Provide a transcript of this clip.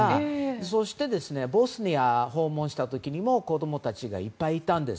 そして、ボスニアを訪問した時にも子供たちがいっぱいいたんです。